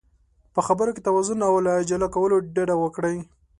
په خبرو کې توازن او له عجله کولو ډډه وکړئ.